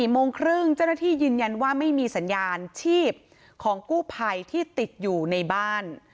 โมงครึ่งเจ้าหน้าที่ยืนยันว่าไม่มีสัญญาณชีพของกู้ภัยที่ติดอยู่ในบ้าน